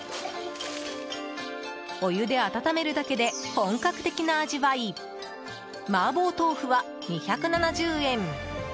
お湯で温めるだけで本格的な味わい麻婆とうふは２７０円。